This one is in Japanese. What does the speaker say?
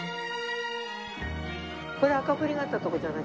これ赤プリがあったとこじゃない？